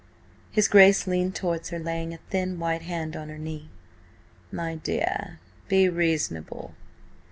His Grace leaned towards her, laying a thin, white hand on her knee. "My dear, be reasonable.